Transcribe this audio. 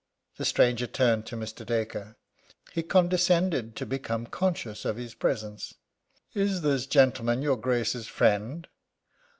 The stranger turned to Mr. Dacre. He condescended to become conscious of his presence. "Is this gentleman your Grace's friend?